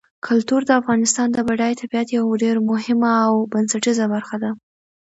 کلتور د افغانستان د بډایه طبیعت یوه ډېره مهمه او بنسټیزه برخه ده.